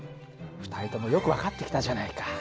２人ともよく分かってきたじゃないか。